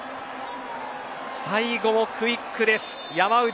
最後もクイックです、山内。